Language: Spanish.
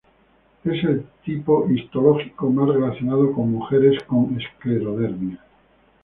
Es el tipo histológico más relacionado con mujeres con esclerodermia.